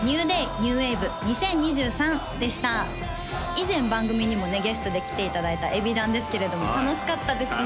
以前番組にもねゲストで来ていただいたＥＢｉＤＡＮですけれども楽しかったですね